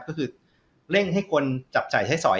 ก็คือเร่งให้คนจับจ่ายใช้สอย